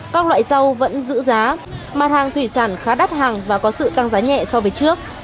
các loại rau vẫn giữ giá mặt hàng thủy sản khá đắt hàng và có sự tăng giá nhẹ so với trước